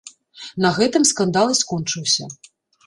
На гэтым скандал і скончыўся.